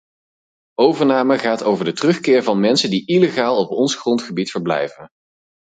Overname gaat over de terugkeer van mensen die illegaal op ons grondgebied verblijven.